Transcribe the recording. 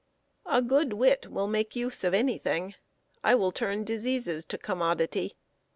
"A good wit will make use of any thing: I will turn diseases to commodity."